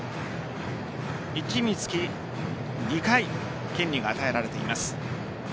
１チームにつき２回、権利が与えられています。